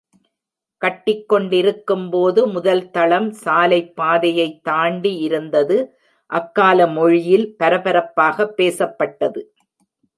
கட்டிக்கொண்டிருக்கும் போது, முதல் தளம் சாலைப்பாதையை தாண்டி இருந்தது அக்கால மொழியில் பரபரப்பாக பேசப்பட்டது.